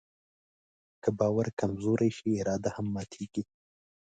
که باور کمزوری شي، اراده هم ماتيږي.